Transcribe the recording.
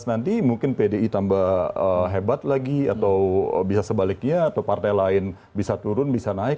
nanti mungkin pdi tambah hebat lagi atau bisa sebaliknya atau partai lain bisa turun bisa naik